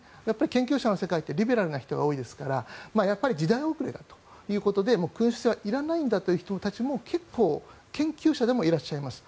研究者の世界ってリベラルな人が多いですから時代遅れだということで君主制はいらないんだという人たちも結構、研究者でもいらっしゃいます。